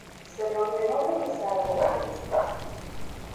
Se le ordenó regresar a la península.